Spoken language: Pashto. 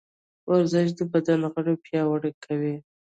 ورزش د بدن غړي پیاوړي کوي.